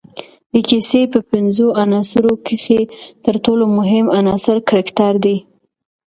د کیسې په پنځو عناصروکښي ترټولو مهم عناصر کرکټر دئ.